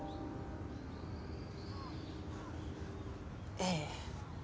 ええ。